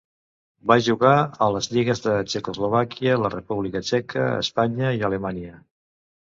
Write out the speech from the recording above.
Va jugar a les lligues de Txecoslovàquia, la República Txeca, Espanya i Alemanya.